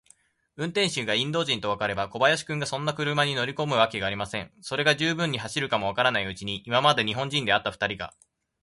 運転手がインド人とわかれば、小林君がそんな車に乗りこむわけがありません。それが、十分も走るか走らないうちに、今まで日本人であったふたりが、